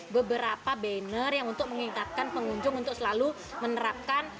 beberapa banner yang untuk mengingatkan pengunjung untuk selalu menerapkan